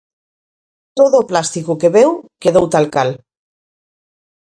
Todo o plástico que veu, quedou tal cal.